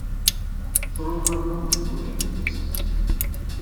For over a moment Gloria made no sound.